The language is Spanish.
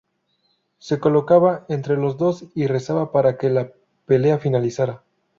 Se colocaba entre los dos y rezaba para que la pelea finalizara.